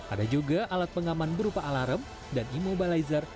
ada juga alat pengaman berupa alarm dan imobilizer